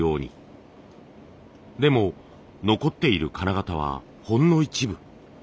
でも残っている金型はほんの一部。